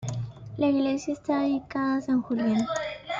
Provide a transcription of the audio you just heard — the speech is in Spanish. La iglesia está dedicada a san Julián.